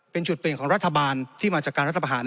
เป็นจุดเปลี่ยนของรัฐบาลที่มาจากการรัฐประหาร